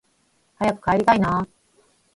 早く帰りたいなあ